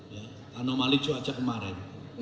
ya anomali cuaca kemarin